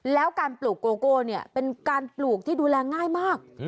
แล้วการปลูกโกโก้เนี่ยเป็นการปลูกที่ดูแลง่ายมาก